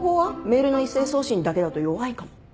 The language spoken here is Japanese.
メールの一斉送信だけだと弱いかも。